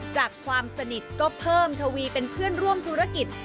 ความสนิทก็เพิ่มทวีเป็นเพื่อนร่วมธุรกิจ